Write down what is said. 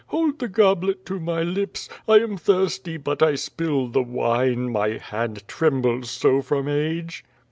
"Hold the goblet to my lips. I am thirsty, but I spill the wine, my hand trembles so from age."